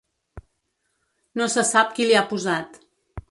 No se sap qui l’hi ha posat.